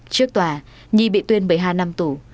trước tòa nhi bị tuyên một mươi hai năm tù